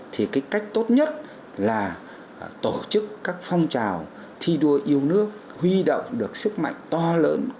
thì cái cách tốt nhất là tổ chức các phong trào thi đua yêu nước huy động được sức mạnh to lớn của toàn dân tộc